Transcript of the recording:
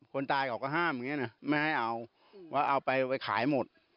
คนตายเขาก็ห้ามอย่างนี้นะไม่ให้เอาว่าเอาไปขายหมด